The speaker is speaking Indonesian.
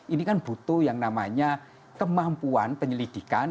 ini kan butuh yang namanya kemampuan penyelidikan